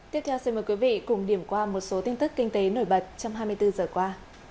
tiếp theo xin mời quý vị cùng điểm qua một số tin tức kinh tế nổi bật trong hai mươi bốn giờ qua